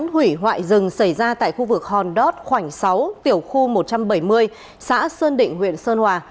hủy hoại rừng xảy ra tại khu vực hòn đót khoảng sáu tiểu khu một trăm bảy mươi xã sơn định huyện sơn hòa